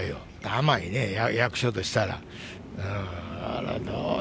甘いね、役所としたら。